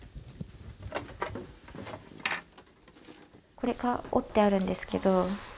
これが折ってあるんですけど。